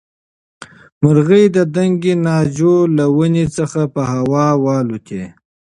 مرغۍ د دنګې ناجو له ونې څخه په هوا والوتې.